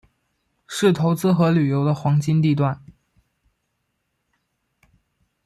是投资和旅游的黄金地段。